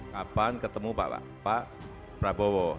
kapan ketemu pak prabowo